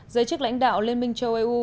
giới chức lãnh đạo liên minh châu âu